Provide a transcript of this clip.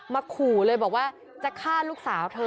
ขู่เลยบอกว่าจะฆ่าลูกสาวเธอ